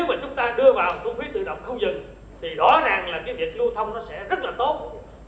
nếu mà chúng ta đưa vào thu phí tự động không dừng thì rõ ràng là cái việc lưu thông nó sẽ rất là tốt